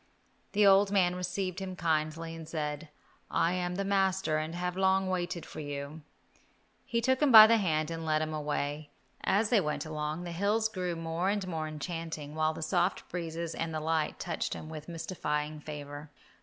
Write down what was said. The old man received him kindly, and said, "I am the master and have long waited for you." He took him by the hand and led him away. As they went along, the hills grew more and more enchanting, while the soft breezes and the light touched him with mystifying favour.